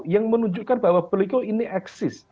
yang menunjukkan bahwa beliau ini eksis